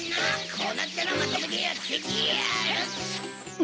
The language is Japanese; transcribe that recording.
こうなったらまとめてやっつけてやる！